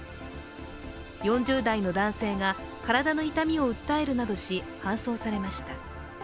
４０代の男性が体の痛みを訴えるなどし、搬送されました。